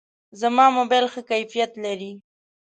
زما موبایل ښه کیفیت لري.